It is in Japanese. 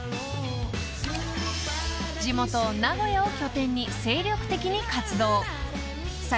［地元名古屋を拠点に精力的に活動］